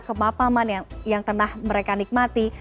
kemampaman yang tenah mereka nikmati